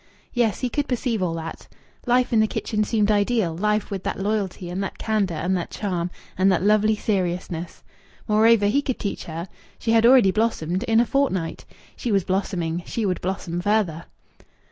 Yes, he could perceive all that! Life in the kitchen seemed ideal life with that loyalty and that candour and that charm and that lovely seriousness! Moreover, he could teach her. She had already blossomed in a fortnight. She was blossoming. She would blossom further.